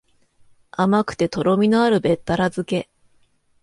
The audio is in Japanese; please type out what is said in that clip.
甘くてとろみのあるべったら漬け